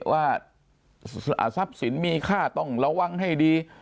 ว่าทรัพย์สินมีค่าต้องระวังให้ดี